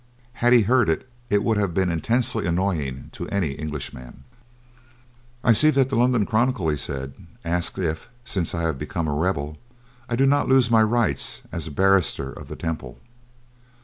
Had he heard it, it would have been intensely annoying to any Englishman. "I see that the London Chronicle," he said, "asks if, since I have become a rebel, I do not lose my rights as a Barrister of the Temple?